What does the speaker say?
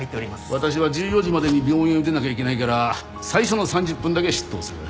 私は１４時までに病院を出なきゃいけないから最初の３０分だけ執刀する。